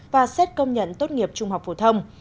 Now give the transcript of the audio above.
và xét công nhận tốt nghiệp trung học phổ thông